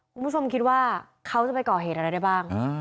คุณผู้ชมคิดว่าเขาจะไปก่อเหตุอะไรได้บ้าง